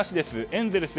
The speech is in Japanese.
エンゼルス